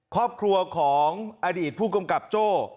ครอบครัวของอดีตผู้กำกับโจ้